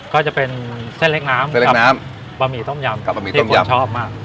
ก็จะเป็นเส้นเล็กน้ำเส้นเล็กน้ำบะหมี่ต้มยำกับบะหมี่ที่ผมชอบมาก